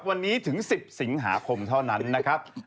วันนี้ถึง๑๐สิงหาคมเท่านั้นนะครับ